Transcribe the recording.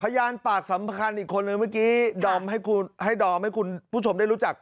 พยานปากสำคัญอีกคนนึงเมื่อกี้ดอมให้ดอมให้คุณผู้ชมได้รู้จัก